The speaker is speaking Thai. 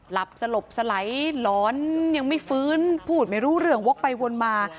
หลับสลบสลัยร้อนยังไม่ฟื้นพูดไม่รู้เรื่องวอกไปวนมา